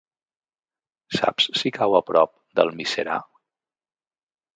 Saps si cau a prop d'Almiserà?